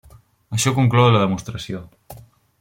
Això conclou la demostració.